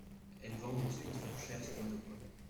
Elles vendent ensuite fort cher ce monopole.